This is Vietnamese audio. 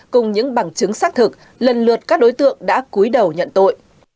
cùng những bằng chứng xác thực lần lượt các đối tượng đã cuối đầu nhận tội